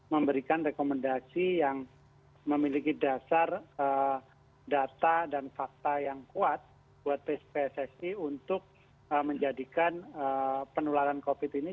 memberikan rekomendasi yang memiliki dasar data dan fakta yang kuat buat pssi untuk menjadikan penularan covid ini